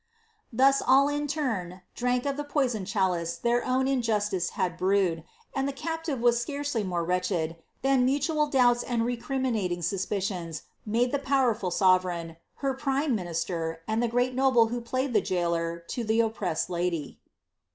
'' Thus all in turn drank of the poisoned chalice their )wn injustice had brewed, and the captive was scarcely more wretched hui mutual doubts and recriminating suspicions made the powerful sove «ign, her prime minister, and the great noble who played the gaoler to ihe oppressed lady.